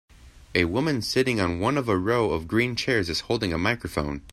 A woman sitting on one of a row of green chairs is holding a microphone.